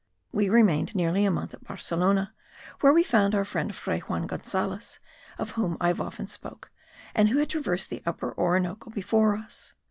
We remained nearly a month at Barcelona where we found our friend Fray Juan Gonzales, of whom I have often spoken, and who had traversed the Upper Orinoco before us.